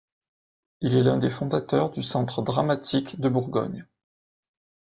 Il est l’un des fondateurs du Centre Dramatique de Bourgogne.